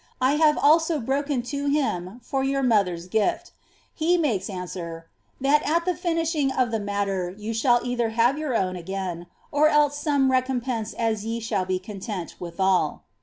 I have also broken to him for }\nt moilier's jrilt: he makes answer, * that at the finishing of the matter you ^iJs!I either have your own again, or else some recompense as ye shall be ccij!*r:; wiihal.'